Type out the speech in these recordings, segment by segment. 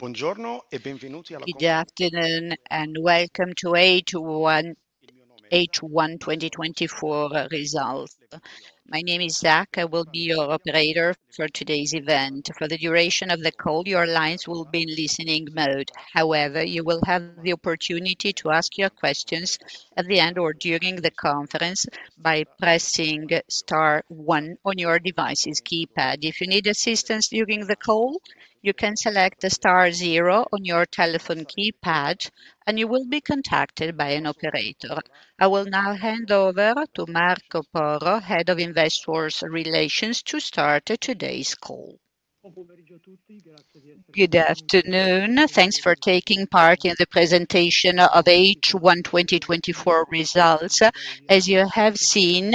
Buongiorno e benvenuti alla. Good afternoon, and welcome to A2A Marco Angelo Patuano 2024 results. My name is Zack. I will be your operator for today's event. For the duration of the call, your lines will be in listening mode. However, you will have the opportunity to ask your questions at the end or during the conference by pressing star one on your device's keypad. If you need assistance during the call, you can select star zero on your telephone keypad, and you will be contacted by an operator. I will now hand over to Marco Porro, Head of Investor Relations, to start today's call. Buon pomeriggio a tutti, grazie di essere. Good afternoon, thanks for taking part in the presentation of H1 2024 results. As you have seen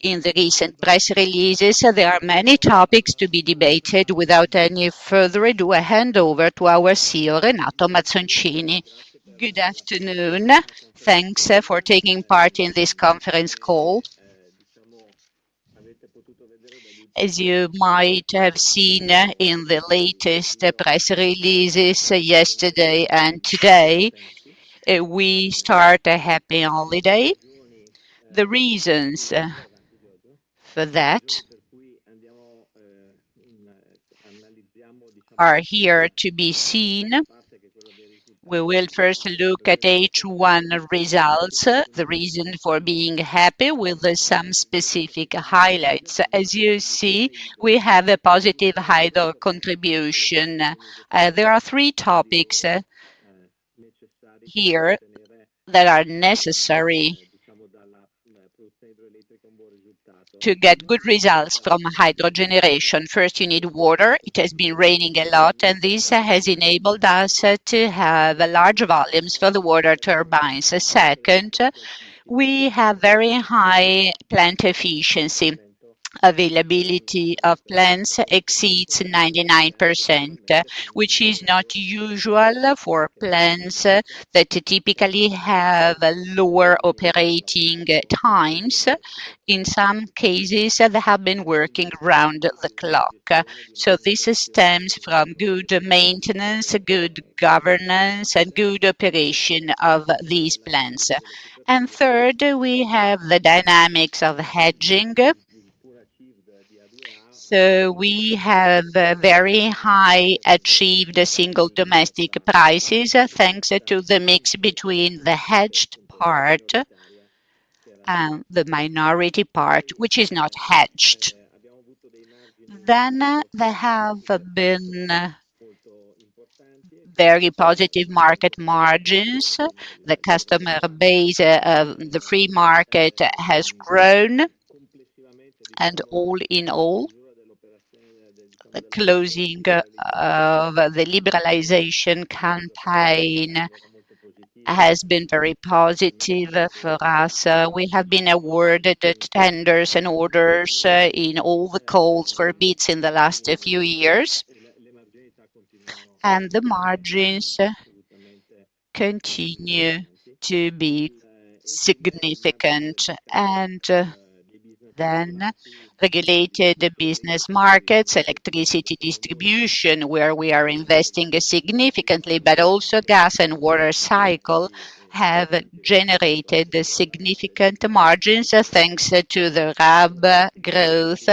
in the recent press releases, there are many topics to be debated. Without any further ado, I hand over to our CEO, Renato Mazzoncini. Good afternoon, thanks for taking part in this conference call. As you might have seen in the latest press releases yesterday and today, we start a happy holiday. The reasons for that are here to be seen. We will first look at H1 results, the reason for being happy with some specific highlights. As you see, we have a positive hydro contribution. There are three topics here that are necessary to get good results from hydro generation. First, you need water. It has been raining a lot, and this has enabled us to have large volumes for the water turbines. Second, we have very high plant efficiency. Availability of plants exceeds 99%, which is not usual for plants that typically have lower operating times. In some cases, they have been working around the clock. So, this stems from good maintenance, good governance, and good operation of these plants. And third, we have the dynamics of hedging. So we have very high achieved single domestic prices thanks to the mix between the hedged part and the minority part, which is not hedged. Then they have been very positive market margins. The customer base of the free market has grown, and all in all, the closing of the Liberalization campaign has been very positive for us. We have been awarded tenders and orders in all the calls for bids in the last few years, and the margins continue to be significant. And then regulated business markets, Electricity Distribution, where we are investing significantly, but also Gas and Water Cycle have generated significant margins thanks to the RAB growth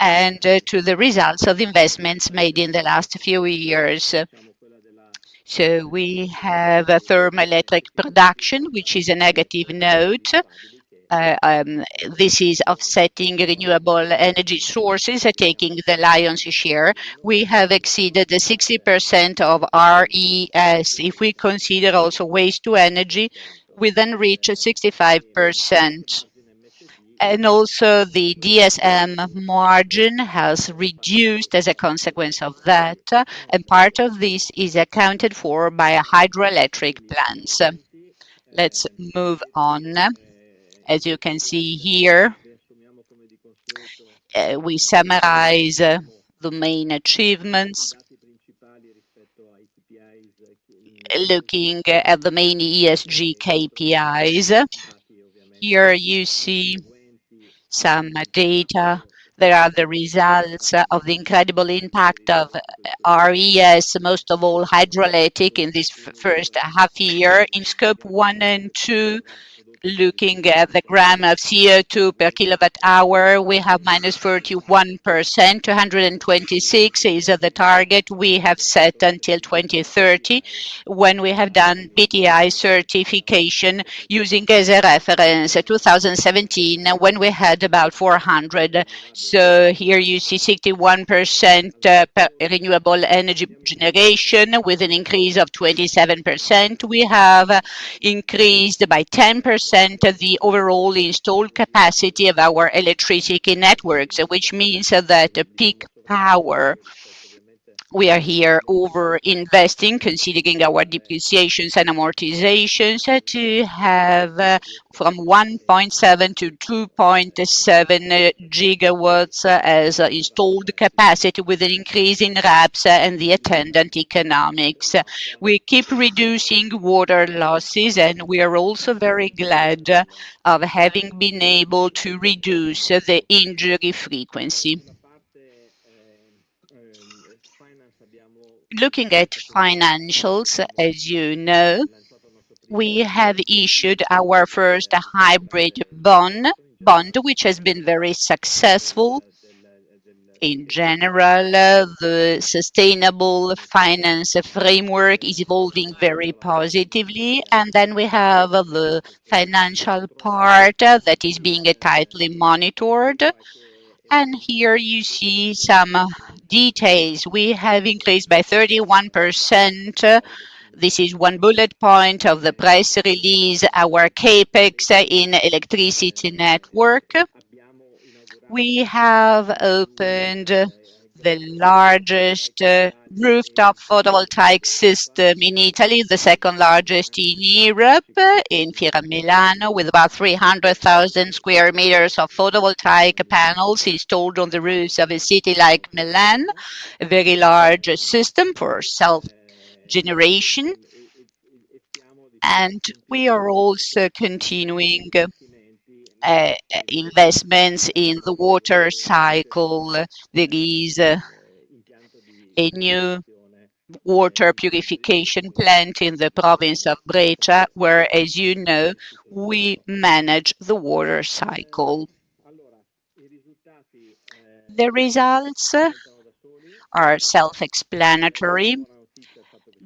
and to the results of investments made in the last few years. So we have thermal electric production, which is a negative note. This is offsetting renewable energy sources, taking the lion's share. We have exceeded 60% of RES. If we consider also waste to energy, we then reach 65%. And also the DSM margin has reduced as a consequence of that, and part of this is accounted for by hydroelectric plants. Let's move on. As you can see here, we summarize the main achievements looking at the main ESG KPIs. Here you see some data. There are the results of the incredible impact of RES, most of all hydroelectric, in this first half year. In Scope 1 and 2, looking at the gCO₂/kWh, we have -41%. 226gCo₂/kWh is the target we have set until 2030, when we have done SBTi certification using as a reference 2017 when we had about 400 gCo₂/kWh. So here you see 61% renewable energy generation with an increase of 27%. We have increased by 10% the overall installed capacity of our electricity networks, which means that peak power we are here over-investing, considering our depreciations and amortizations to have from 1.7GW-2.7 GW as installed capacity with an increase in RABs and the attendant economics. We keep reducing water losses, and we are also very glad of having been able to reduce the injury frequency. Looking at financials, as you know, we have issued our first hybrid bond, which has been very successful. In general, the sustainable finance framework is evolving very positively. Then we have the financial part that is being tightly monitored. Here you see some details. We have increased by 31%. This is one bullet point of the press release, our Capex in electricity network. We have opened the largest rooftop photovoltaic system in Italy, the second largest in Europe, in Fiera Milano, with about 300,000 square meters of photovoltaic panels installed on the roofs of a city like Milan. A very large system for self-generation. We are also continuing investments in the water cycle. There is a new water purification plant in the province of Brescia, where, as you know, we manage the water cycle. The results are self-explanatory.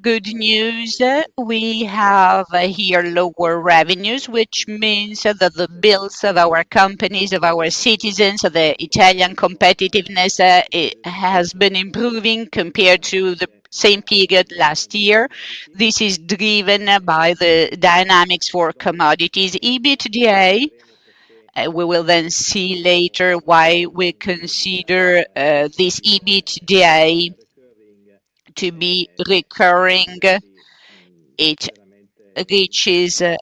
Good news, we have here lower revenues, which means that the bills of our companies, of our citizens, the Italian competitiveness has been improving compared to the same period last year. This is driven by the dynamics for commodities. EBITDA, we will then see later why we consider this EBITDA to be recurring. It reaches a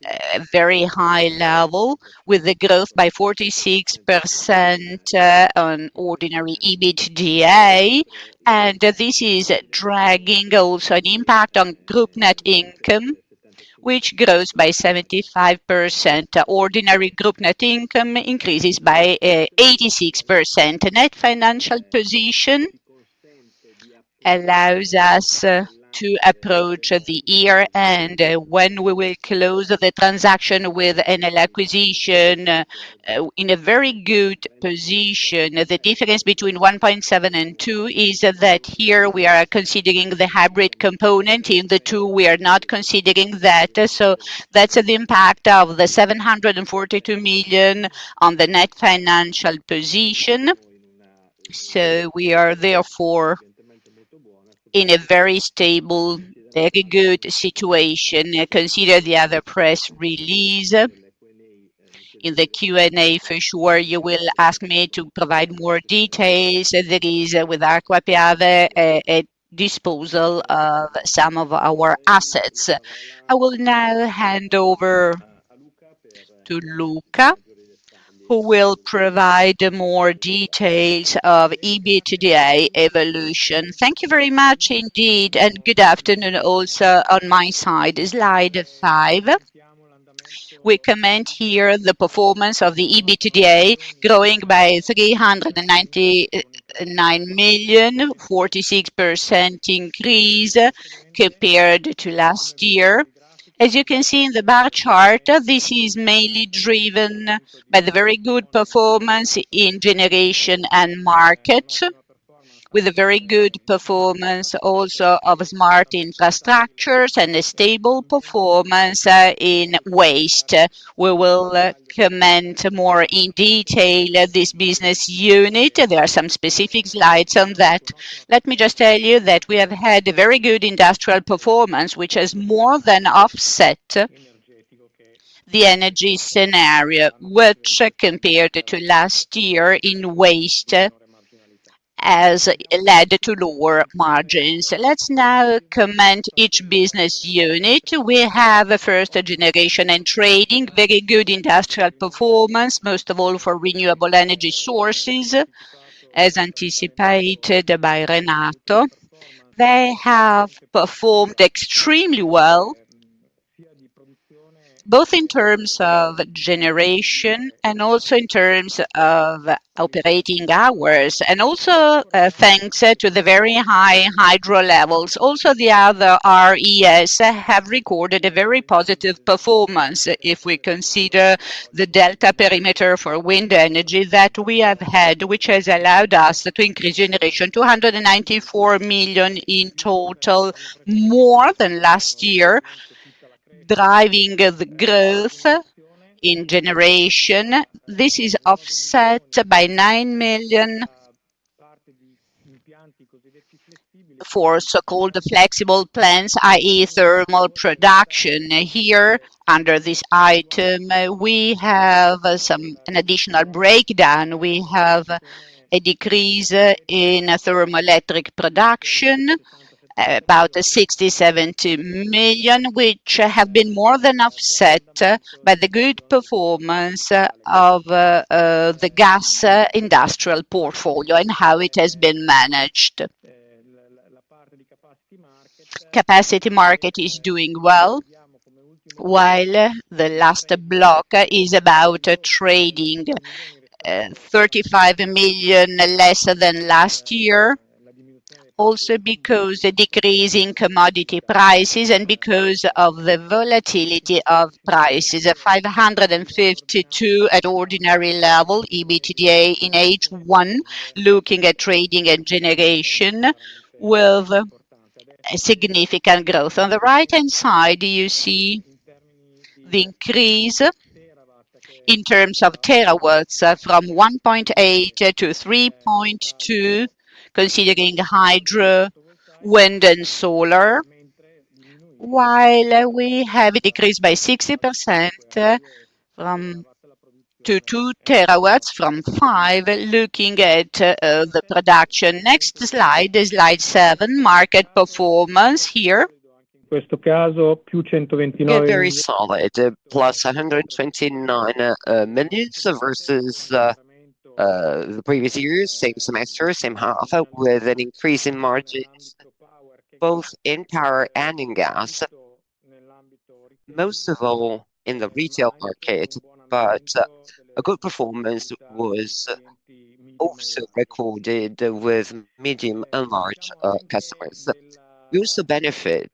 very high level with a growth by 46% on ordinary EBITDA, and this is dragging also an impact on group net income, which grows by 75%. Ordinary group net income increases by 86%. Net financial position allows us to approach the year end when we will close the transaction with an acquisition in a very good position. The difference between 1.7 and 2 is that here we are considering the hybrid component. In the 2, we are not considering that. So that's the impact of the 742 million on the net financial position. So we are therefore in a very stable, very good situation. Consider the other press release. In the Q&A, for sure, you will ask me to provide more details. That is, with Ascopiave, a disposal of some of our assets. I will now hand over to Luca, who will provide more details of EBITDA evolution. Thank you very much indeed, and good afternoon also on my side. Slide five. We comment here on the performance of the EBITDA growing by 399 million, 46% increase compared to last year. As you can see in the bar chart, this is mainly driven by the very good performance in Generation and Market, with a very good performance also of Smart Infrastructures and a stable performance in Waste. We will comment more in detail on this business unit. There are some specific slides on that. Let me just tell you that we have had a very good industrial performance, which has more than offset the energy scenario, which compared to last year in Waste has led to lower margins. Let's now comment on each business unit. We have a first Generation and Trading, very good industrial performance, most of all for renewable energy sources, as anticipated by Renato. They have performed extremely well, both in terms of generation and also in terms of operating hours. And also thanks to the very high hydro levels. Also, the other RES have recorded a very positive performance if we consider the delta perimeter for wind energy that we have had, which has allowed us to increase generation 294 million in total, more than last year, driving the growth in Generation. This is offset by 9 million for so-called flexible plants, i.e., thermal production. Here, under this item, we have an additional breakdown. We have a decrease in thermal electric production, about 67 million, which have been more than offset by the good performance of the Gas Industrial portfolio and how it has been managed. Capacity Market is doing well, while the last block is about Trading, 35 million less than last year, also because of the decrease in commodity prices and because of the volatility of prices. 552 million at ordinary level, EBITDA in H1, looking at Trading and Generation with significant growth. On the right-hand side, you see the increase in terms of terawatts from 1.8 TWh to 3.2TWh, considering hydro, wind, and solar, while we have a decrease by 60% to 2 TWh from 5 TWh, looking at the production. Next slide, slide seven, market performance here. Very solid, +129 million versus the previous year, same semester, same half, with an increase in margins both in power and in gas, most of all in the retail market. But a good performance was also recorded with medium and large customers. We also benefit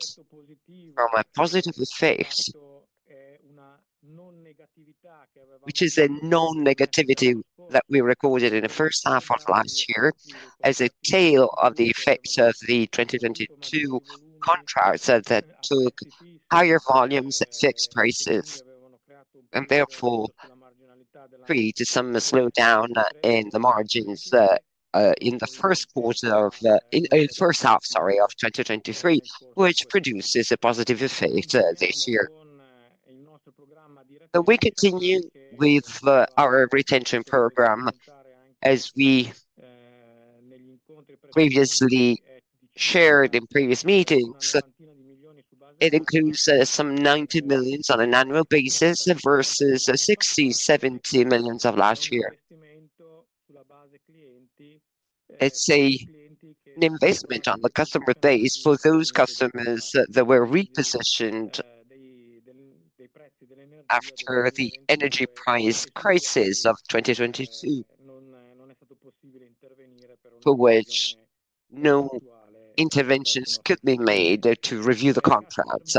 from a positive effect, which is a non-negativity that we recorded in the first half of last year as a tail of the effect of the 2022 contracts that took higher volumes, fixed prices, and therefore created some slowdown in the margins in the first quarter of the first half, sorry, of 2023, which produces a positive effect this year. We continue with our retention program, as we previously shared in previous meetings. It includes some 90 million on an annual basis versus 60 million-70 million of last year. It's an investment on the customer base for those customers that were repositioned after the energy price crisis of 2022, for which no interventions could be made to review the contracts.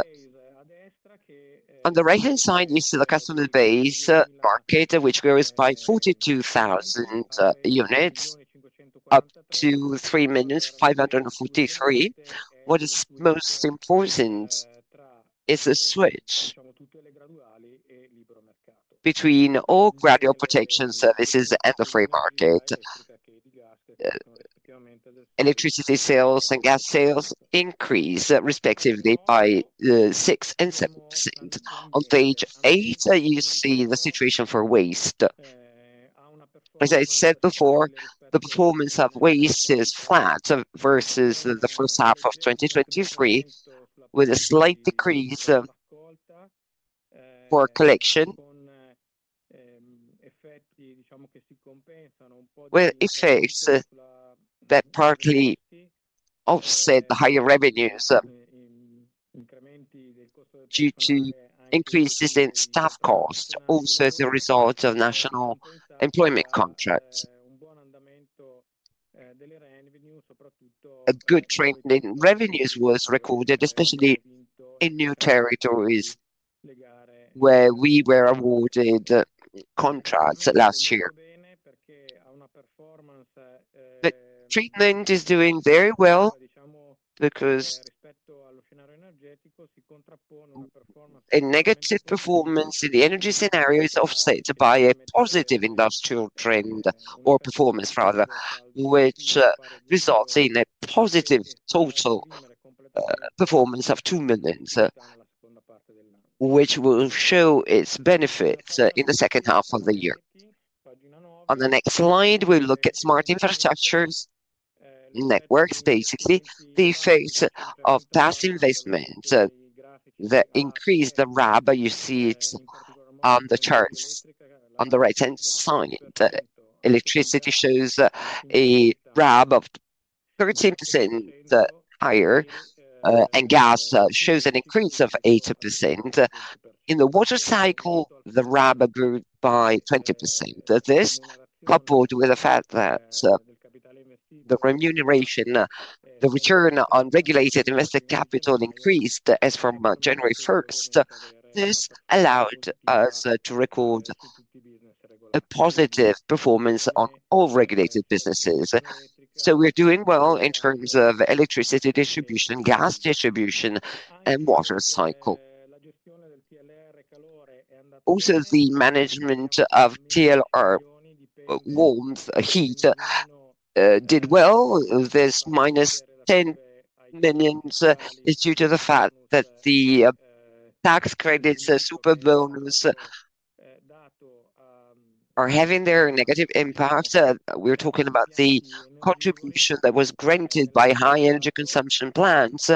On the right-hand side is the customer base market, which grows by 42,000 units, up to 3,000,543. What is most important is the switch between all Gradual Protection Services at the free market. Electricity sales and Gas sales increase respectively by 6% and 7%. On page eight, you see the situation for Waste. As I said before, the performance of Waste is flat versus the first half of 2023, with a slight decrease for collection, with effects that partly offset the higher revenues due to increases in staff costs, also as a result of national employment contracts. A good trend in revenues was recorded, especially in new territories where we were awarded contracts last year. The treatment is doing very well because a negative performance in the energy scenario is offset by a positive industrial trend or performance, rather, which results in a positive total performance of 2 million, which will show its benefits in the second half of the year. On the next slide, we look at Smart Infrastructures, Networks, basically the effect of past investment that increased the RAB, you see it on the charts on the right-hand side. Electricity shows a RAB of 13% higher, and gas shows an increase of 8%. In the water cycle, the RAB grew by 20%. This, coupled with the fact that the remuneration, the return on regulated invested capital increased as from January 1st, this allowed us to record a positive performance on all regulated businesses. So we're doing well in terms of electricity distribution, gas distribution, and water cycle. Also, the management of TLR, warmth, heat did well. This -10 million is due to the fact that the tax credits and super bonus are having their negative impact. We're talking about the contribution that was granted by high energy consumption plants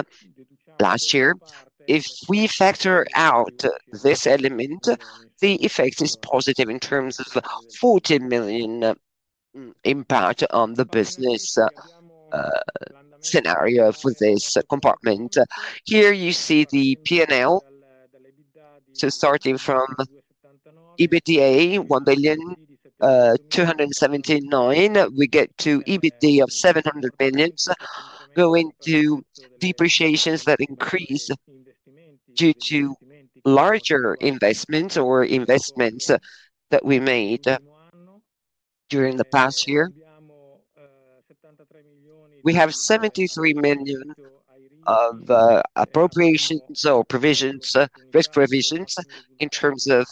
last year. If we factor out this element, the effect is positive in terms of 40 million impact on the business scenario for this compartment. Here you see the P&L. So starting from EBITDA of 1,279 billion, we get to EBITDA of 700 million, going to depreciations that increase due to larger investments or investments that we made during the past year. We have 73 millions of appropriations or provisions, risk provisions in terms of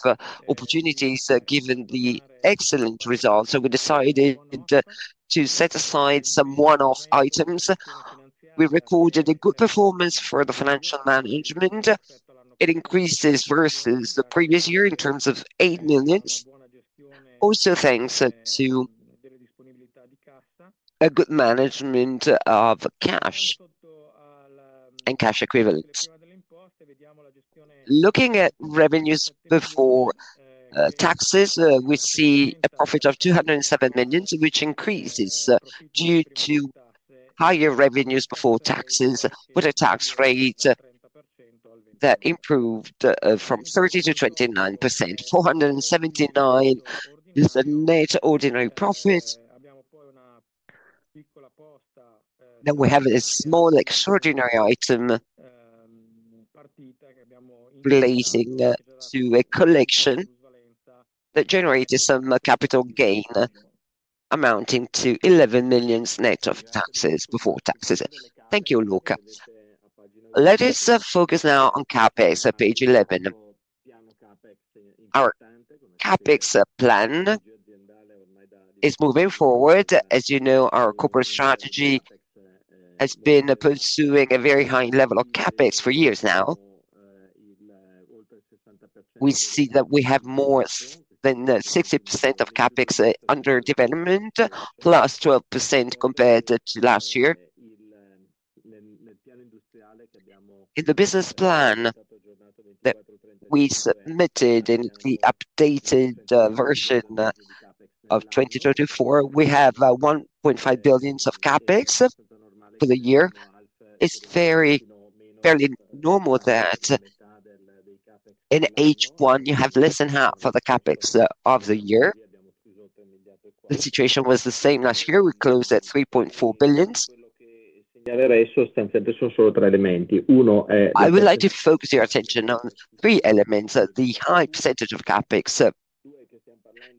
opportunities given the excellent results. So we decided to set aside some one-off items. We recorded a good performance for the financial management. It increases versus the previous year in terms of 8 million. Also thanks to a good management of cash and cash equivalents. Looking at revenues before taxes, we see a profit of 207 million, which increases due to higher revenues before taxes with a tax rate that improved from 30%-29%. 479 million is a net ordinary profit. Then we have a small extraordinary item relating to a collection that generated some capital gain amounting to 11 million net of taxes before taxes. Thank you, Luca. Let us focus now on CapEx, page 11. Our CapEx plan is moving forward. As you know, our corporate strategy has been pursuing a very high level of CapEx for years now. We see that we have more than 60% of CapEx under development, +12% compared to last year. In the business plan, we submitted the updated version of 2024. We have 1.5 billion of CapEx for the year. It's fairly normal that in H1 you have less than half of the CapEx of the year. The situation was the same last year. We closed at 3.4 billion. I would like to focus your attention on three elements: the high percentage of CapEx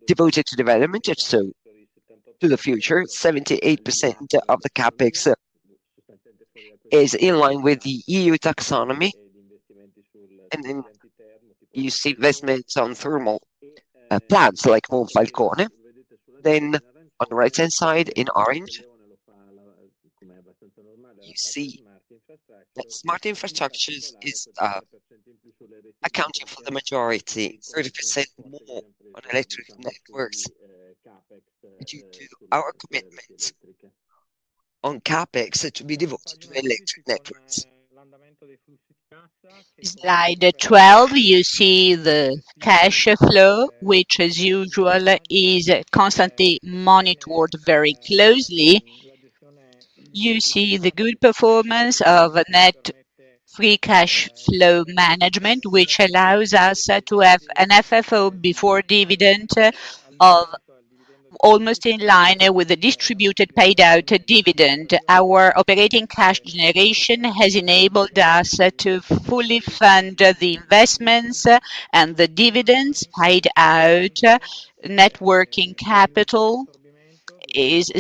devoted to development, so to the future. 78% of the CapEx is in line with the EU taxonomy. You see investments on thermal plants like Monfalcone. Then, on the right-hand side, in orange, you see smart infrastructures accounting for the majority, 30% more on electric networks due to our commitment on CapEx to be devoted to electric networks. Slide 12, you see the cash flow, which, as usual, is constantly monitored very closely. You see the good performance of net free cash flow management, which allows us to have an FFO before dividend of almost in line with the distributed paid-out dividend. Our operating cash generation has enabled us to fully fund the investments and the dividends paid out. Net working capital is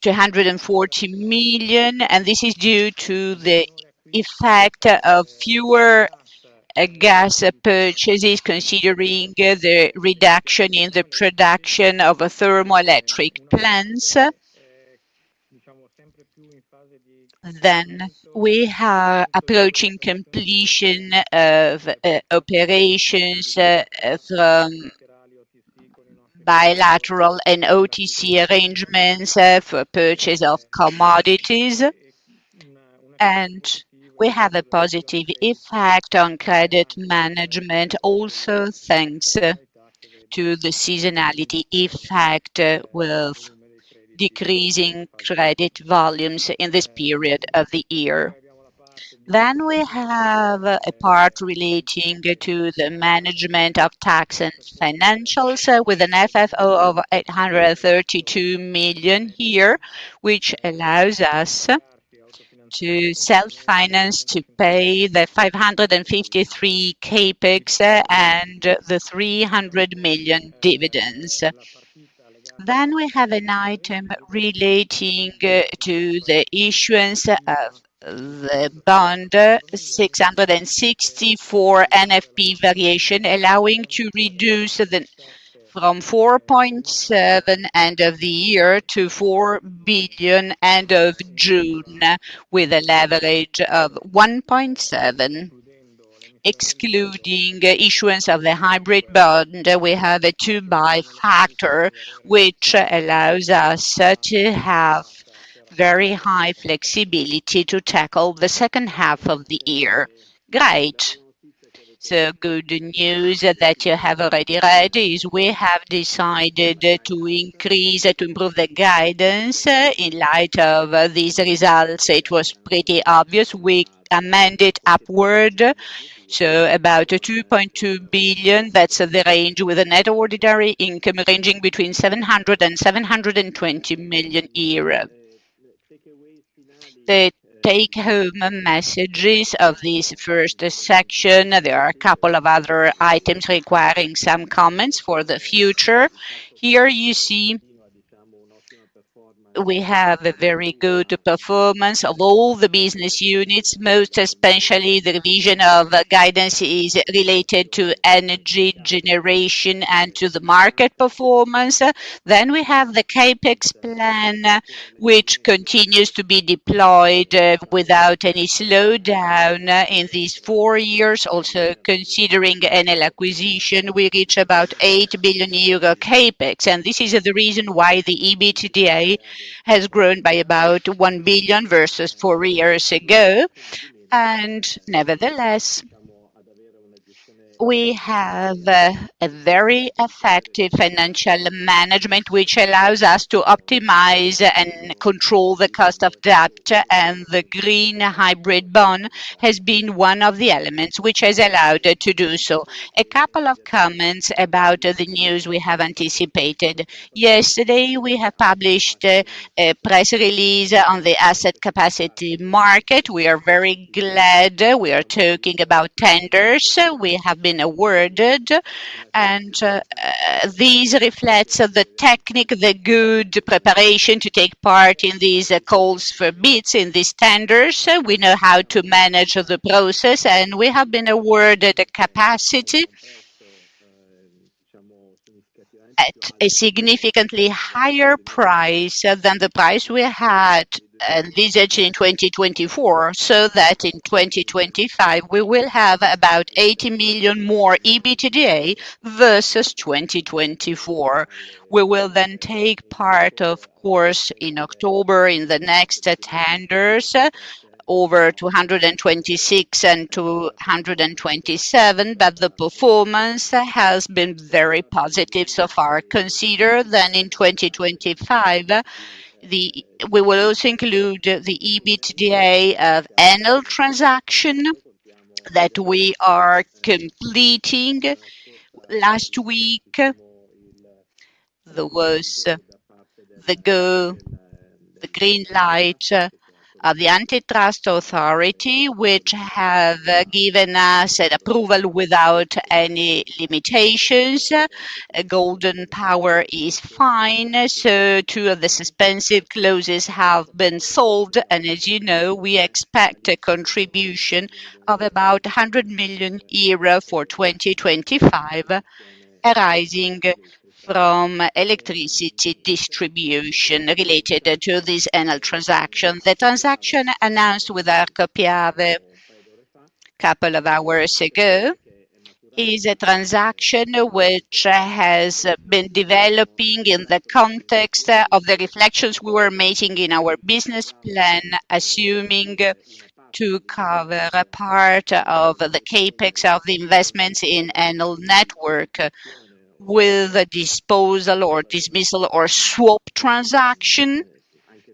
240 million, and this is due to the effect of fewer gas purchases, considering the reduction in the production of thermal electric plants. Then we are approaching completion of operations from bilateral and OTC arrangements for purchase of commodities, and we have a positive effect on credit management, also thanks to the seasonality effect with decreasing credit volumes in this period of the year. Then we have a part relating to the management of tax and financials with an FFO of 832 million here, which allows us to self-finance to pay the 553 Capex and the 300 million dividends. Then we have an item relating to the issuance of the bond, 664 NFP variation, allowing to reduce from 4.7 billion end of the year to 4 billion end of June with a leverage of 1.7x. Excluding issuance of the hybrid bond, we have a 2x factor, which allows us to have very high flexibility to tackle the second half of the year. Great. So good news that you have already read is we have decided to increase to improve the guidance in light of these results. It was pretty obvious. We amended upward, so about 2.2 billion. That's the range with a net ordinary income ranging between 700 million euro and 720 million. The take-home messages of this first section, there are a couple of other items requiring some comments for the future. Here you see we have a very good performance of all the business units, most especially the revision of guidance is related to energy generation and to the market performance. Then we have the Capex plan, which continues to be deployed without any slowdown in these four years. Also, considering Enel acquisition, we reach about 8 billion euro Capex, and this is the reason why the EBITDA has grown by about 1 billion versus four years ago. And nevertheless, we have a very effective financial management, which allows us to optimize and control the cost of debt, and the green hybrid bond has been one of the elements which has allowed to do so. A couple of comments about the news we have anticipated. Yesterday, we have published a press release on the asset capacity market. We are very glad. We are talking about tenders. We have been awarded, and these reflect the technique, the good preparation to take part in these calls for bids in these tenders. We know how to manage the process, and we have been awarded a capacity at a significantly higher price than the price we had envisaged in 2024, so that in 2025, we will have about 80 million more EBITDA versus 2024. We will then take part, of course, in October in the next tenders, over 226 and 227, but the performance has been very positive so far. Consider that in 2025, we will also include the EBITDA of Enel transaction that we are completing. Last week, there was the go, the green light of the Antitrust Authority, which has given us an approval without any limitations. Golden Power is fine. So two of the suspensive closes have been sold, and as you know, we expect a contribution of about 100 million euro for 2025, arising from electricity distribution related to this Enel transaction. The transaction announced with Ascopiave a couple of hours ago is a transaction which has been developing in the context of the reflections we were making in our business plan, assuming to cover a part of the Capex of the investments in Enel network with disposal or dismissal or swap transaction.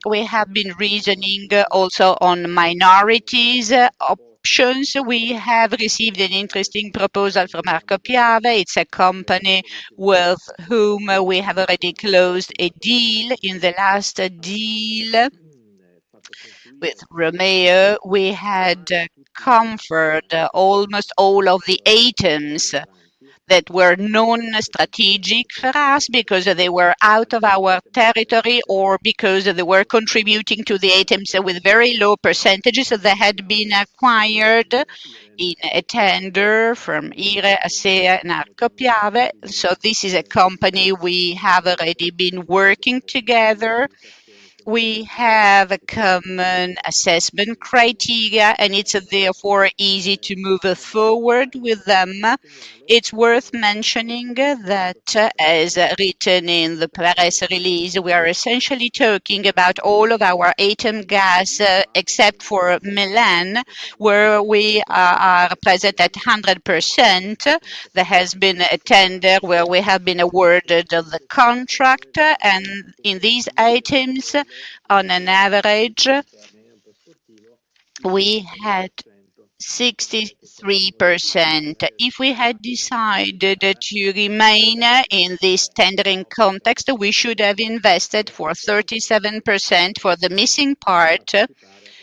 We have been reasoning also on minorities options. We have received an interesting proposal from Ascopiave. It's a company with whom we have already closed a deal. In the last deal with Romeo, we had comfort almost all of the ATEMs that were non-strategic for us because they were out of our territory or because they were contributing to the ATEMs with very low percentages that had been acquired in a tender from Hera, Acea, and Ascopiave. So this is a company we have already been working together. We have a common assessment criteria, and it's therefore easy to move forward with them. It's worth mentioning that, as written in the press release, we are essentially talking about all of our ATEM gas except for Milan, where we are present at 100%. There has been a tender where we have been awarded the contract, and in these ATEMs, on an average, we had 63%. If we had decided to remain in this tendering context, we should have invested for 37% for the missing part,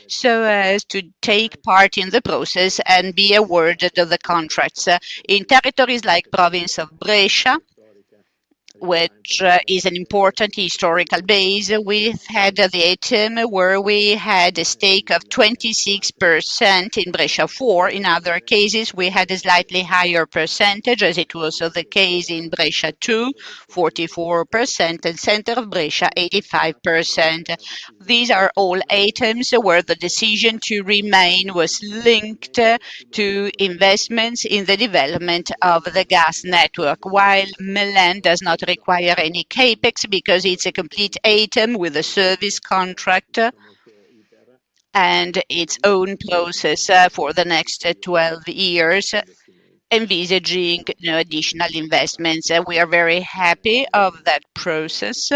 so as to take part in the process and be awarded the contracts. In territories like the province of Brescia, which is an important historical base, we had the ATEM where we had a stake of 26% in Brescia 4. In other cases, we had a slightly higher percentage, as it was the case in Brescia 2, 44%, and center of Brescia, 85%. These are all ATEMs where the decision to remain was linked to investments in the development of the gas network, while Milan does not require any CapEx because it's a complete ATEM with a service contract and its own process for the next 12 years, envisaging no additional investments. We are very happy of that process,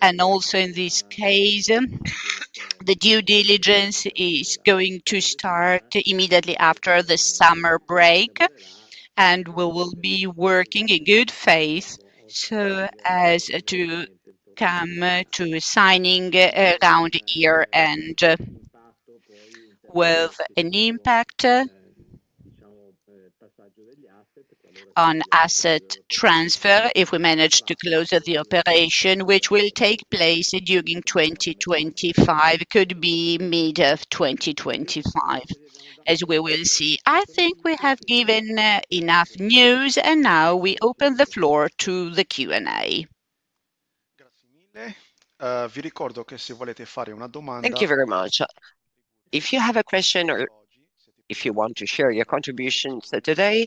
and also in this case, the due diligence is going to start immediately after the summer break, and we will be working in good faith so as to come to signing around year-end with an impact on asset transfer if we manage to close the operation, which will take place during 2025, could be mid-2025, as we will see. I think we have given enough news, and now we open the floor to the Q&A. Thank you very much. If you have a question or if you want to share your contributions today,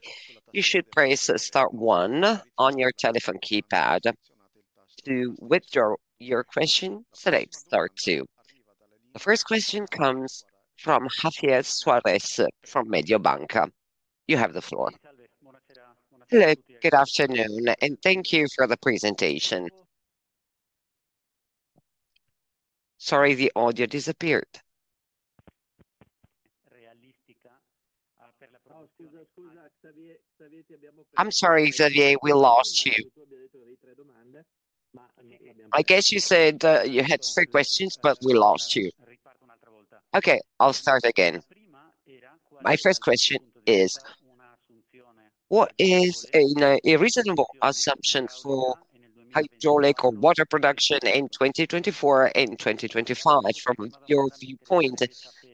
you should press Star one on your telephone keypad to withdraw your question. Select Star two. The first question comes from Javier Suárez from Mediobanca. You have the floor. Hello, good afternoon, and thank you for the presentation. Sorry, the audio disappeared. I'm sorry, Javier, we lost you. I guess you said you had three questions, but we lost you. Okay, I'll start again. My first question is, what is a reasonable assumption for hydropower production in 2024 and 2025 from your viewpoint?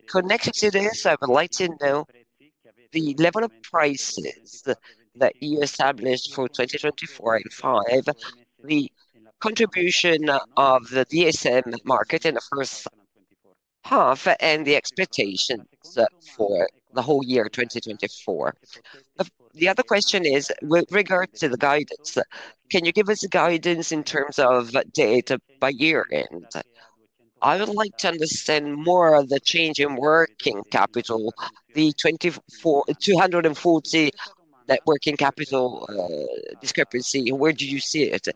Connected to this, I would like to know the level of prices that you established for 2024 and 2025, the contribution of the DSM market in the first half, and the expectations for the whole year 2024. The other question is, with regard to the guidance, can you give us guidance in terms of data by year-end? I would like to understand more of the change in working capital, the 240 million net working capital discrepancy, and where do you see it?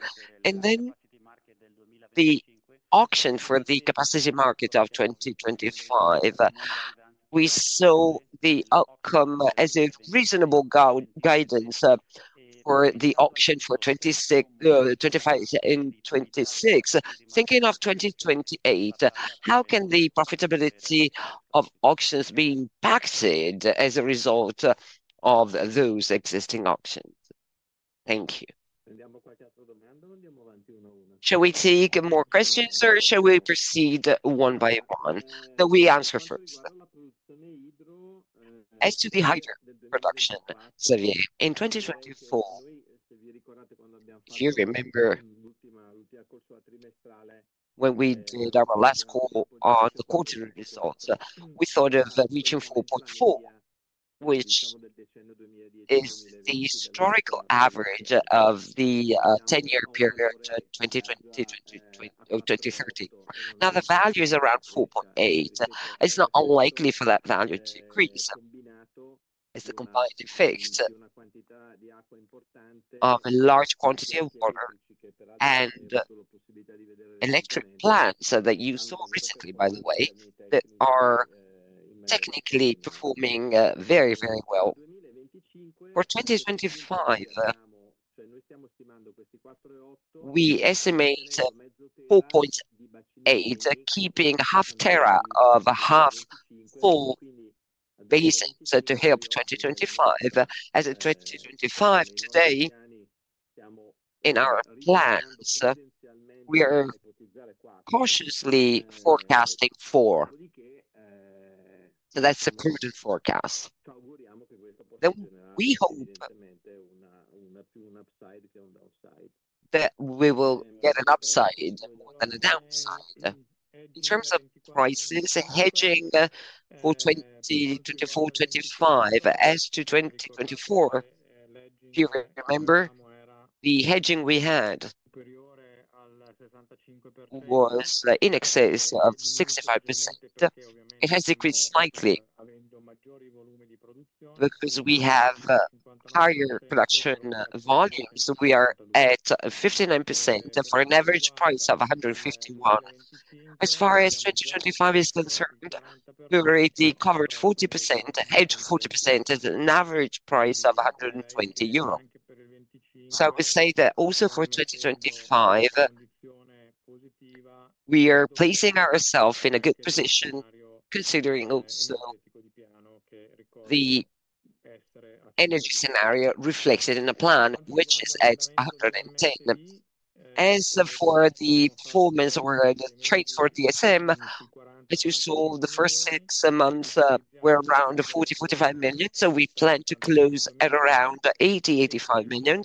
And then the auction for the capacity market of 2025, we saw the outcome as a reasonable guidance for the auction for 2025 and 2026. Thinking of 2028, how can the profitability of auctions be impacted as a result of those existing auctions? Thank you. Shall we take more questions, or shall we proceed one by one? We answer first. As to the hydro production, Javier, in 2024, if you remember, when we did our last call on the quarterly results, we thought of reaching 4.4 TWh, which is the historical average of the 10-year period 2020-2030. Now, the value is around 4.8 TWh. It's not unlikely for that value to increase as the component effects of a large quantity of water and electric plants that you saw recently, by the way, that are technically performing very, very well. For 2025, we estimate 4.8 TWh, keeping half TWh of half full base to help 2025. As of 2025, today, in our plans, we are cautiously forecasting 4 TWh. So that's a prudent forecast. We hope that we will get an upside and a downside. In terms of prices, hedging for 2024-2025, as to 2024, if you remember, the hedging we had was in excess of 65%. It has decreased slightly because we have higher production volumes. We are at 59% for an average price of 151. As far as 2025 is concerned, we already covered 40%, hedged 40%, at an average price of 120 euro. So I would say that also for 2025, we are placing ourselves in a good position considering also the energy scenario reflected in the plan, which is at 110. As for the performance or the trades for DSM, as you saw, the first six months were around 40 million-45 million, so we plan to close at around 80 million-85 million.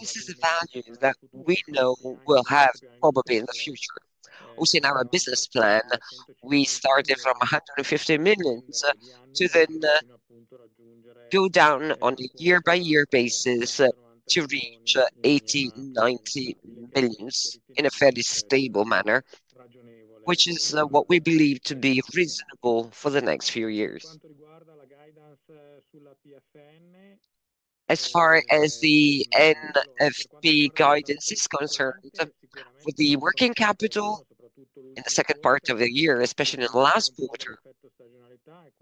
This is the value that we know we'll have probably in the future. Also, in our business plan, we started from 150 million to then go down on a year-by-year basis to reach 80 million-90 million in a fairly stable manner, which is what we believe to be reasonable for the next few years. As far as the NFP guidance is concerned, with the working capital in the second part of the year, especially in the last quarter,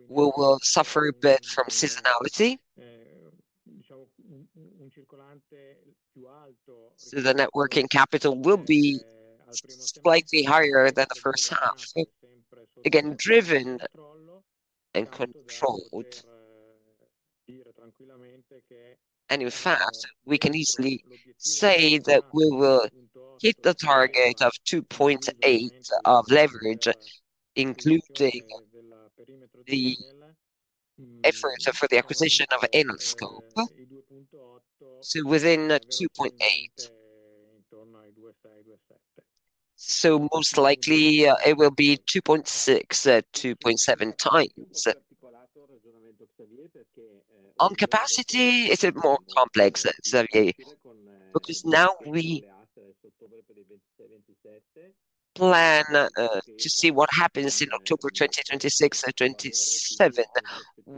we will suffer a bit from seasonality. The net working capital will be slightly higher than the first half, again driven and controlled. And in fact, we can easily say that we will hit the target of 2.8x leverage, including the effort for the acquisition of Enel. So within 2.8x, most likely it will be 2.6x-2.7x. On capacity, it's more complex, Javier, because now we plan to see what happens in October 2026 and 2027.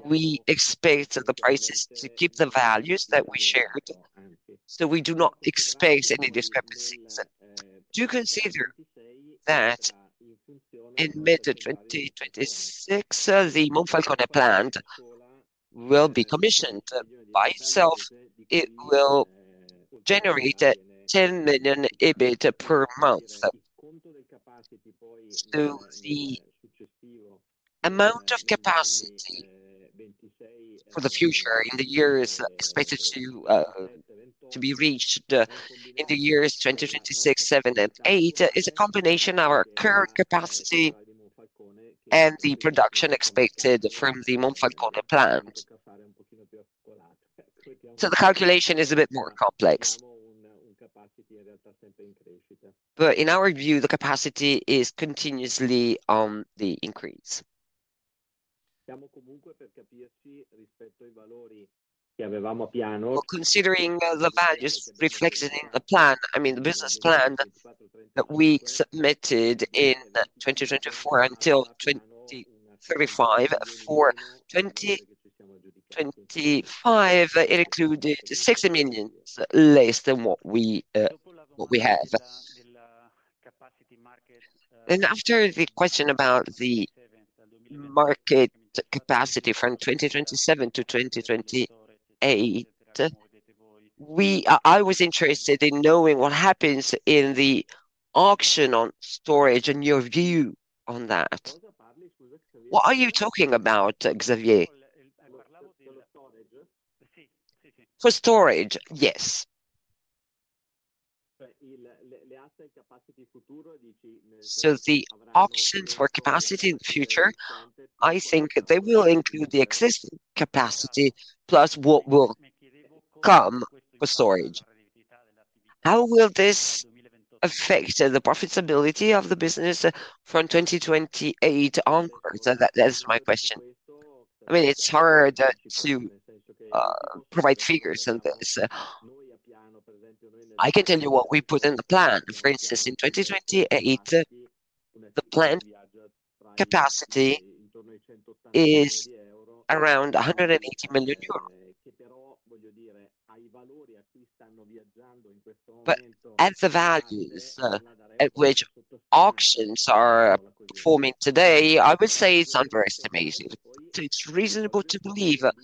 We expect the prices to keep the values that we shared, so we do not expect any discrepancies. Do consider that in mid-2026, the Monfalcone plan will be commissioned by itself. It will generate 10 million EBIT per month. So the amount of capacity for the future in the years expected to be reached in the years 2026, 2027, and 2028 is a combination of our current capacity and the production expected from the Monfalcone plan. So the calculation is a bit more complex. But in our view, the capacity is continuously on the increase. Considering the values reflected in the plan, I mean the business plan that we submitted in 2024 until 2035 for 2025, it included 60 million less than what we have. After the question about the market capacity from 2027 to 2028, I was interested in knowing what happens in the auction on storage and your view on that. What are you talking about, Javier? For storage, yes. So, the auctions for capacity in the future, I think they will include the existing capacity plus what will come for storage. How will this affect the profitability of the business from 2028 onwards? That is my question. I mean, it's hard to provide figures on this. I can tell you what we put in the plan. For instance, in 2028, the planned capacity is around EUR 180 million. But at the values at which auctions are performing today, I would say it's unprecedented. So it's reasonable to believe that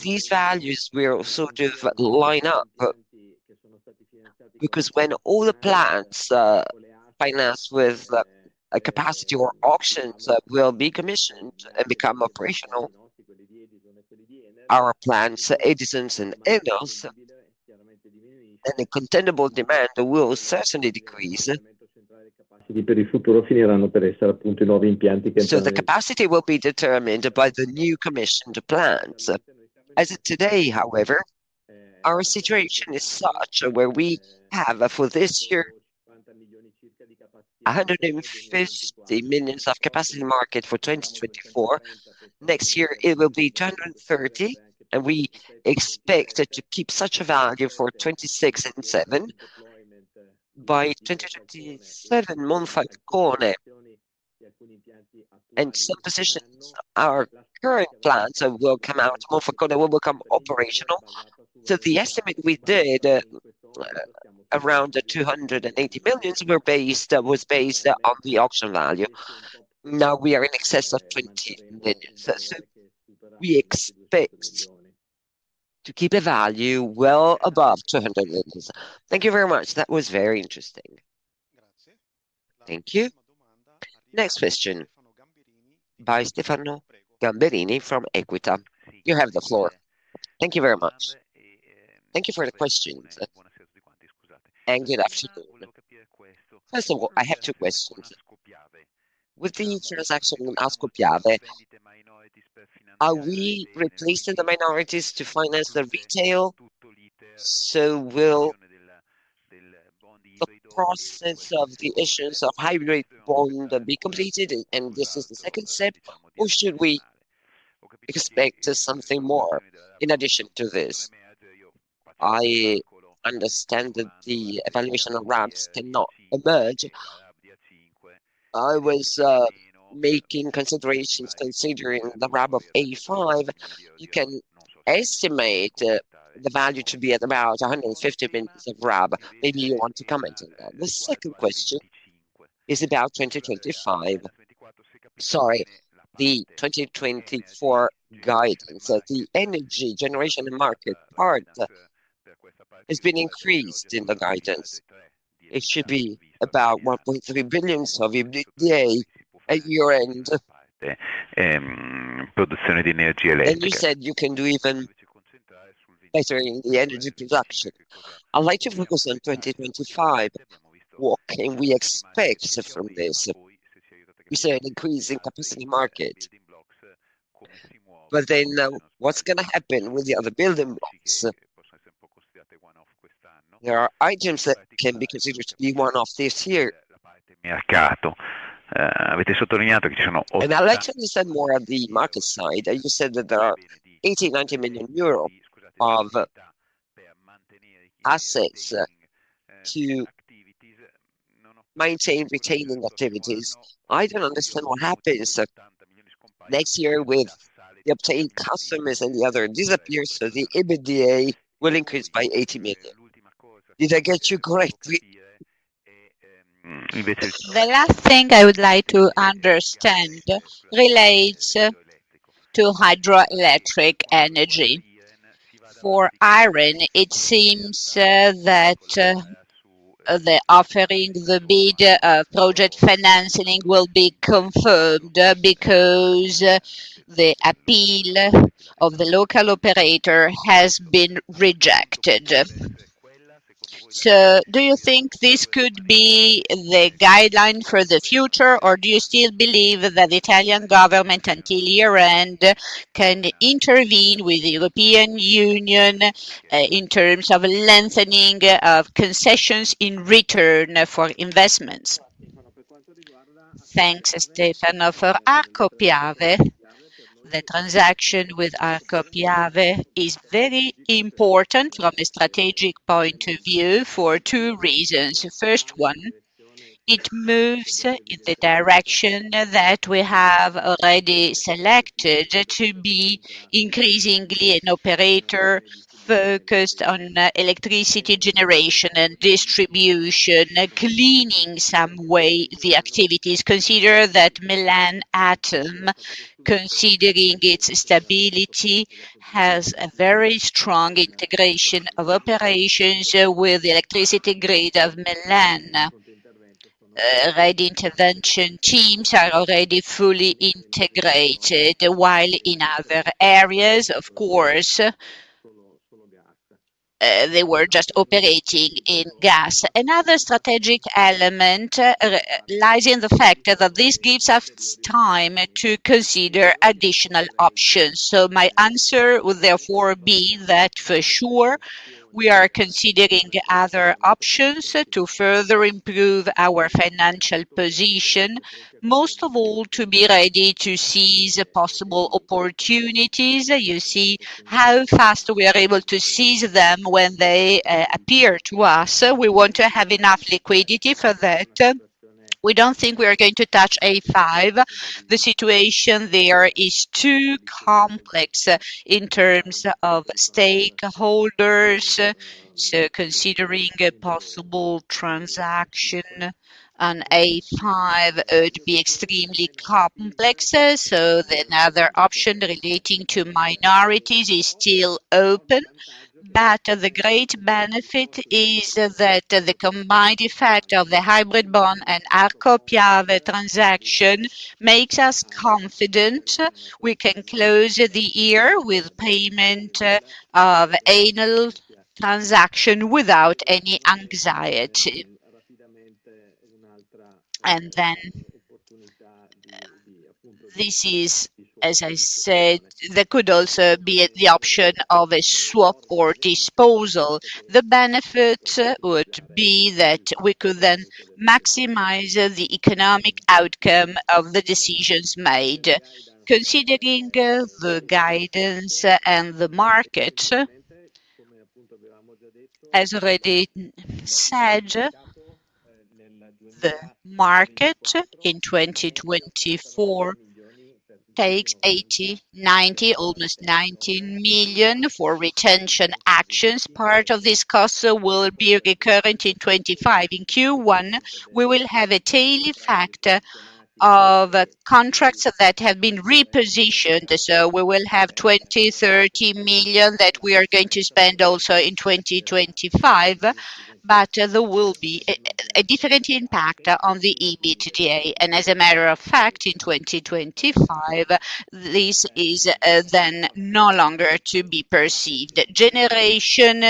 these values will sort of line up because when all the plants financed with capacity or auctions will be commissioned and become operational, our plants, Edison and Enel, and the [contendable] demand will certainly decrease. So the capacity will be determined by the new commissioned plants. As of today, however, our situation is such where we have for this year 150 million of capacity market for 2024. Next year, it will be 230 million, and we expect to keep such a value for 2026 and 2027. By 2027, Monfalcone and some positions of our current plants will come out, Monfalcone will become operational. So the estimate we did around 280 million was based on the auction value. Now we are in excess of 20 million. So we expect to keep the value well above 200 million. Thank you very much. That was very interesting. Thank you. Next question by Stefano Gamberini from Equita. You have the floor. Thank you very much. Thank you for the questions. And good afternoon. First of all, I have two questions. With the transaction in Ascopiave, are we replacing the minorities to finance the retail? So will the process of the issuance of hybrid bond be completed, and this is the second step, or should we expect something more in addition to this? I understand that the evaluation of RABs cannot emerge. I was making considerations considering the RAB of A5. You can estimate the value to be at about 150 million of RAB. Maybe you want to comment on that. The second question is about 2025. Sorry, the 2024 guidance, the energy generation and market part has been increased in the guidance. It should be about 1.3 billion at year-end. And you said you can do even better in the energy production. I'd like to focus on 2025. What can we expect from this? You said an increase in capacity market. But then what's going to happen with the other building blocks? There are items that can be considered to be one-off this year. And I'd like to understand more on the market side. You said that there are 80 million-90 million euro of assets to maintain retaining activities. I don't understand what happens next year with the obtained customers and the other disappearance of the EBITDA will increase by 80 million. Did I get you correctly? The last thing I would like to understand relates to hydroelectric energy. For Iren, it seems that the offering, the bid project financing will be confirmed because the appeal of the local operator has been rejected. So do you think this could be the guideline for the future, or do you still believe that the Italian government until year-end can intervene with the European Union in terms of lengthening of concessions in return for investments? Thanks, Stefano. For Ascopiave, the transaction with Ascopiave is very important from a strategic point of view for two reasons. First one, it moves in the direction that we have already selected to be increasingly an operator focused on electricity generation and distribution, cleaning some way the activities. Consider that Milan ATEM, considering its stability, has a very strong integration of operations with the electricity grid of Milan. Ready intervention teams are already fully integrated, while in other areas, of course, they were just operating in gas. Another strategic element lies in the fact that this gives us time to consider additional options. So my answer would therefore be that for sure we are considering other options to further improve our financial position, most of all to be ready to seize possible opportunities. You see how fast we are able to seize them when they appear to us. We want to have enough liquidity for that. We don't think we are going to touch A5. The situation there is too complex in terms of stakeholders. So considering a possible transaction on A5 would be extremely complex. So another option relating to minorities is still open, but the great benefit is that the combined effect of the hybrid bond and Ascopiave transaction makes us confident we can close the year with payment of annual transaction without any anxiety. And then this is, as I said, there could also be the option of a swap or disposal. The benefit would be that we could then maximize the economic outcome of the decisions made. Considering the guidance and the market, as already said, the market in 2024 takes 80 million-90 million, almost 100 million for retention actions. Part of this cost will be recurrent in 2025. In Q1, we will have a daily factor of contracts that have been repositioned. We will have 20-30 million that we are going to spend also in 2025, but there will be a different impact on the EBITDA. As a matter of fact, in 2025, this is then no longer to be perceived. Generation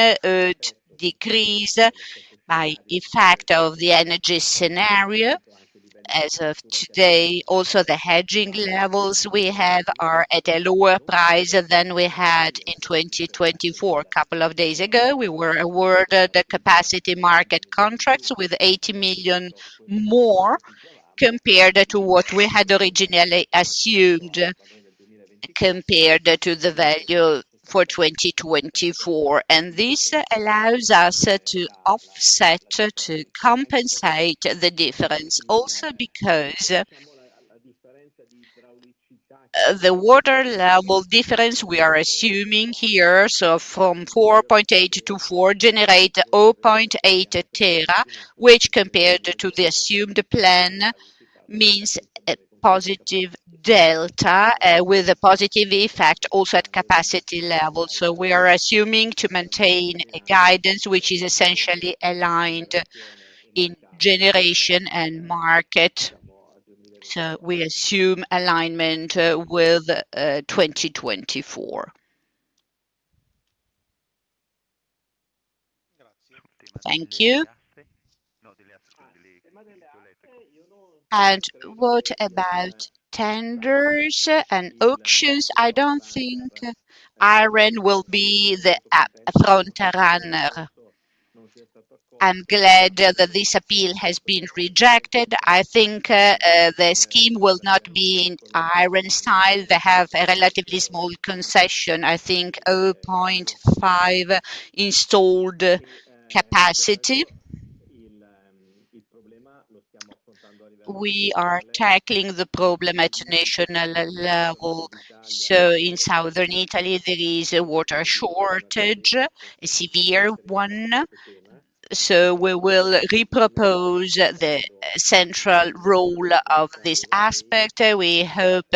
decrease by effect of the energy scenario as of today. Also, the hedging levels we have are at a lower price than we had in 2024. A couple of days ago, we were awarded the Capacity Market contracts with 80 million more compared to what we had originally assumed compared to the value for 2024. And this allows us to offset to compensate the difference also because the water level difference we are assuming here, so from 4.8 TWh to 4 TWh, generate 0.8 TWh, which compared to the assumed plan means a positive delta with a positive effect also at capacity level. So we are assuming to maintain a guidance which is essentially aligned in generation and market. So we assume alignment with 2024. Thank you. And what about tenders and auctions? I don't think Iren will be the front runner. I'm glad that this appeal has been rejected. I think the scheme will not be in Iren style. They have a relatively small concession, I think 0.5 installed capacity. We are tackling the problem at national level. In Southern Italy, there is a water shortage, a severe one. We will repropose the central role of this aspect. We hope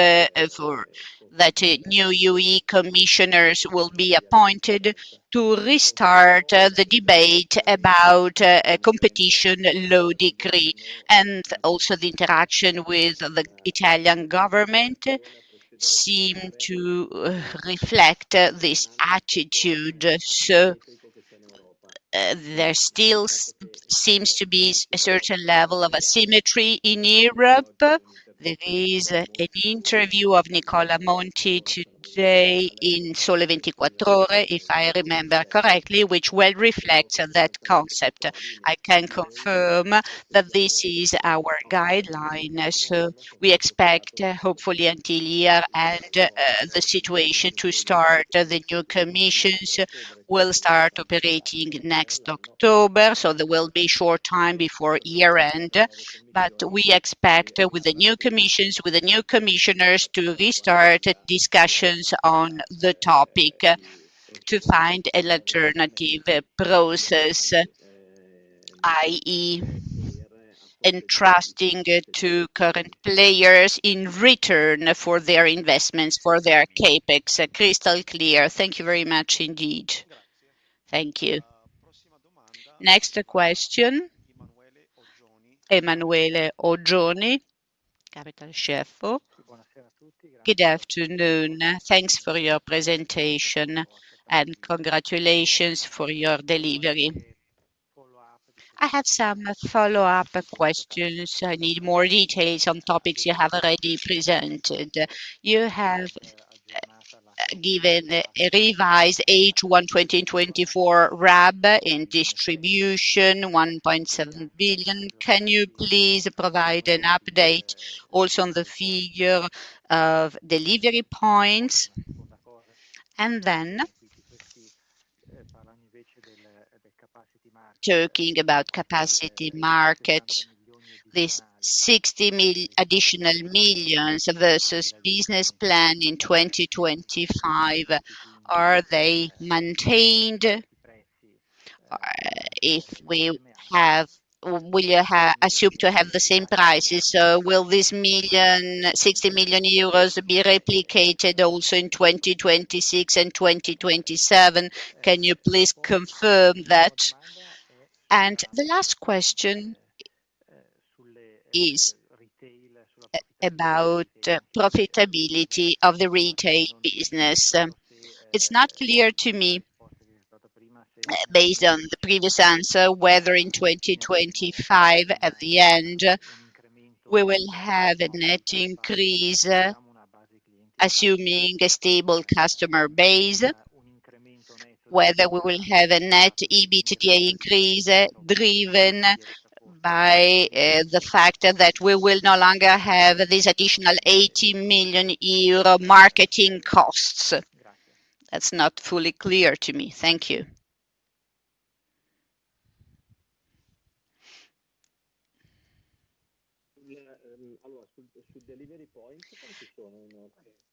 that new EU commissioners will be appointed to restart the debate about competition, low degree. Also the interaction with the Italian government seemed to reflect this attitude. There still seems to be a certain level of asymmetry in Europe. There is an interview of Nicola Monti today in II Sole 24 Ore, if I remember correctly, which will reflect that concept. I can confirm that this is our guideline. We expect, hopefully, until year-end, the situation to start. The new commissions will start operating next October. There will be a short time before year-end. But we expect with the new commissions, with the new commissioners, to restart discussions on the topic to find an alternative process, i.e., entrusting to current players in return for their investments, for their Capex. Crystal clear. Thank you very much indeed. Thank you. Next question. Emanuele Oggioni, Kepler Cheuvreux. Good afternoon. Thanks for your presentation and congratulations for your delivery. I have some follow-up questions. I need more details on topics you have already presented. You have given a revised H1 2024 RAB in distribution, 1.7 billion. Can you please provide an update also on the figure of delivery points? And then talking about capacity market, this 60 million additional versus business plan in 2025, are they maintained? Will you assume to have the same prices? So will this 60 million euros be replicated also in 2026 and 2027? Can you please confirm that? The last question is about profitability of the retail business. It's not clear to me, based on the previous answer, whether in 2025, at the end, we will have a net increase, assuming a stable customer base, whether we will have a net EBITDA increase driven by the fact that we will no longer have these additional 80 million euro marketing costs. That's not fully clear to me. Thank you.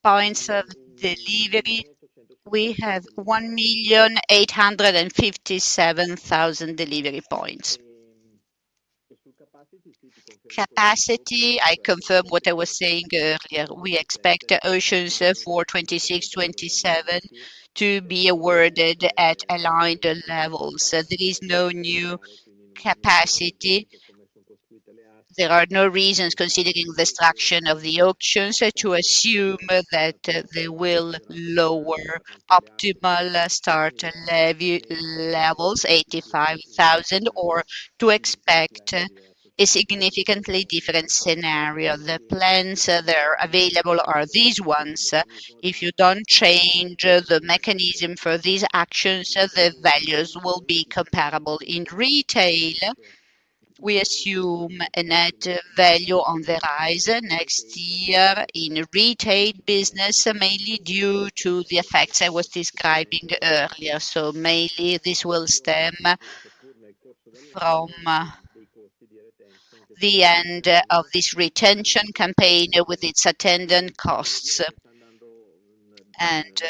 Points of delivery. We have 1,857,000 delivery points. Capacity, I confirm what I was saying earlier. We expect the auctions for 2026-27 to be awarded at aligned levels. There is no new capacity. There are no reasons, considering the description of the auctions, to assume that they will lower optimal start levels, 85,000, or to expect a significantly different scenario. The plans that are available are these ones. If you don't change the mechanism for these actions, the values will be comparable. In Retail, we assume a net value on the rise next year in Retail business, mainly due to the effects I was describing earlier. So mainly this will stem from the end of this retention campaign with its attendant costs. And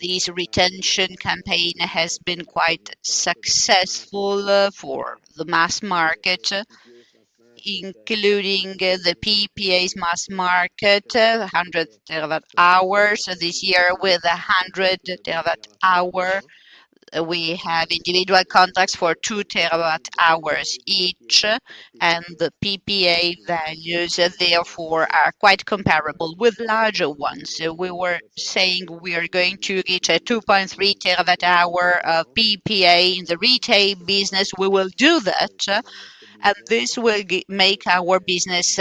this retention campaign has been quite successful for the mass market, including the PPA's mass market, 100 TWh this year with 100 TWh. We have individual contracts for 2 TWh each, and the PPA values, therefore, are quite comparable with larger ones. We were saying we are going to reach a 2.3 TWh of PPA in the retail business. We will do that, and this will make our business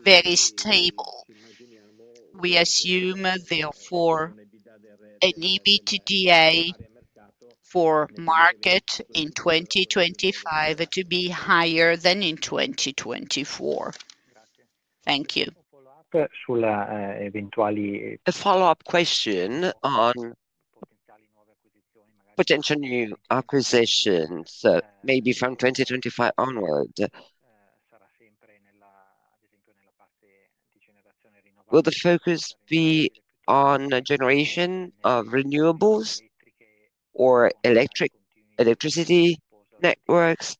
very stable. We assume, therefore, an EBITDA for market in 2025 to be higher than in 2024. Thank you. A follow-up question on potential new acquisitions maybe from 2025 onward. Will the focus be on generation of renewables or electricity networks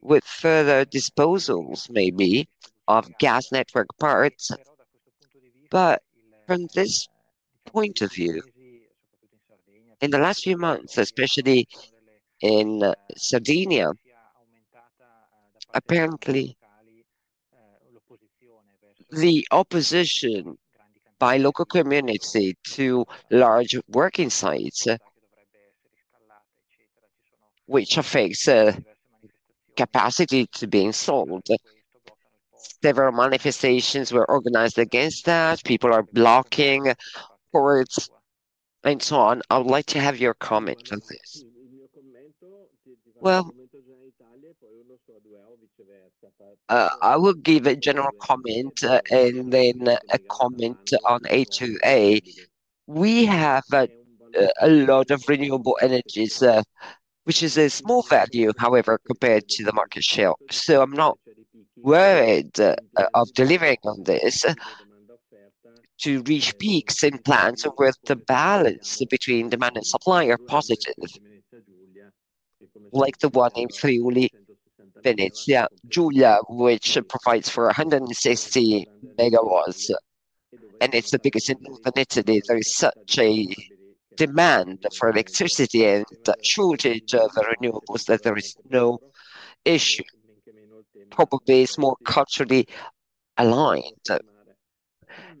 with further disposals maybe of gas network parts? But from this point of view, in the last few months, especially in Sardinia, apparently the opposition by local community to large working sites, which affects capacity to be installed. Several manifestations were organized against that. People are blocking ports and so on. I would like to have your comment on this. I will give a general comment and then a comment on A2A. We have a lot of renewable energies, which is a small value, however, compared to the market share. So I'm not worried of delivering on this to reach peaks in plans with the balance between demand and supply are positive, like the one in Friuli Venezia, which provides for 160 MW. It's the biggest in Venezia. There is such a demand for electricity and a shortage of renewables that there is no issue. Probably it's more culturally aligned.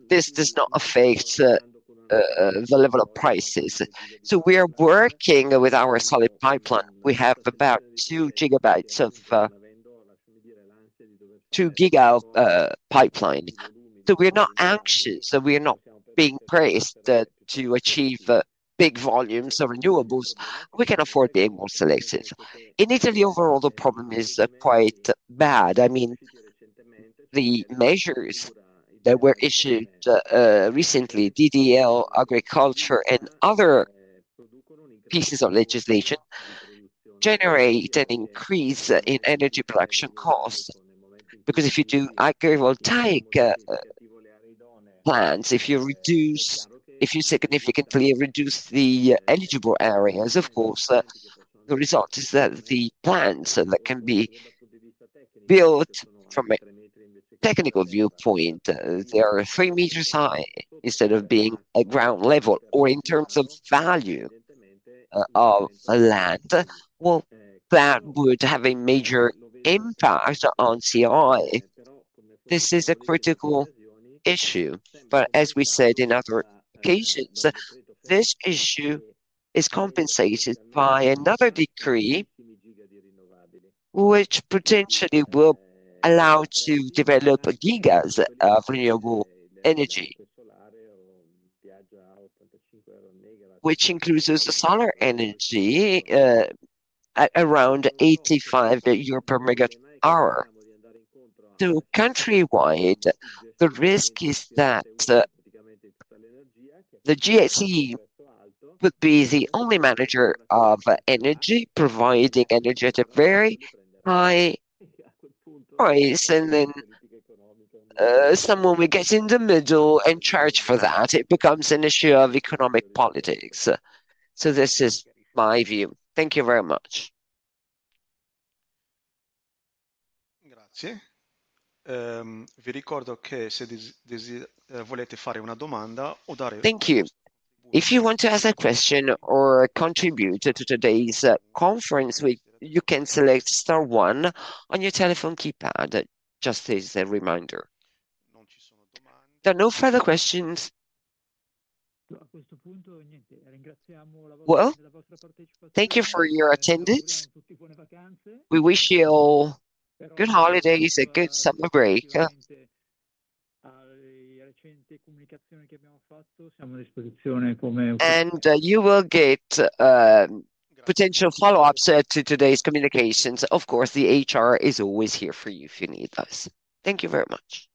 This does not affect the level of prices. So we are working with our solid pipeline. We have about 2 GW of 2 GW pipeline. So we're not anxious. We're not being pressed to achieve big volumes of renewables. We can afford being more selective. In Italy, overall, the problem is quite bad. I mean, the measures that were issued recently, DDL, agriculture, and other pieces of legislation generate an increase in energy production costs. Because if you do agrivoltaic plants, if you significantly reduce the eligible areas, of course, the result is that the plants that can be built from a technical viewpoint, they are 3 meters high instead of being at ground level or in terms of value of land. Well, that would have a major impact on [CRI]. This is a critical issue. But as we said in other occasions, this issue is compensated by another decree, which potentially will allow to develop gigas of renewable energy, which includes solar energy at around EUR 85/MWh. So countrywide, the risk is that the GSE would be the only manager of energy, providing energy at a very high price, and then someone will get in the middle and charge for that. It becomes an issue of economic politics. So this is my view. Thank you very much. Thank you. If you want to ask a question or contribute to today's conference, you can select Star 1 on your telephone keypad. Just as a reminder. There are no further questions. Thank you for your attendance. We wish you all good holidays and a good summer break. You will get potential follow-ups to today's communications. Of course, the HR is always here for you if you need us. Thank you very much.